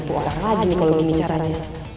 buat orang rajin kalo ingin dicatanya